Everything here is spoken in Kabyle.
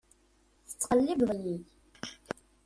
Tetttqellibeḍ-iyi.